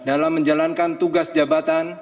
akan menjunjung tinggi etika jabatan